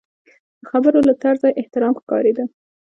د خبرو له طرزه یې احترام ښکارېده.